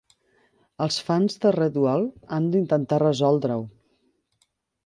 Els fans de Redwall han d'intentar resoldre-ho...